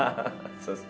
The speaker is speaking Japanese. そうですか？